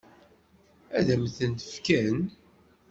Ad m-t-fken?